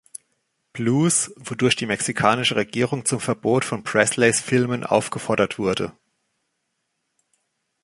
Blues, wodurch die mexikanische Regierung zum Verbot von Presleys Filmen aufgefordert wurde.